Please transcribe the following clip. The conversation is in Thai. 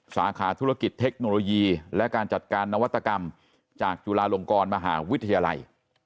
สาขาธุรกิจเทคโนโลยีและการจัดการนวัตกรรมจากจุฬาลงกรมหาวิทยาลัย